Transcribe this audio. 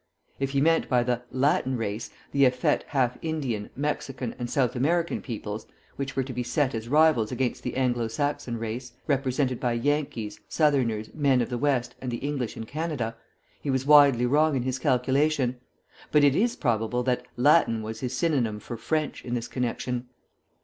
If he meant by the "Latin race" the effete half Indian, Mexican and South American peoples, which were to be set as rivals against the Anglo Saxon race, represented by Yankees, Southerners, men of the West, and the English in Canada, he was widely wrong in his calculation; but it is probable that "Latin" was his synonym for "French" in this connection.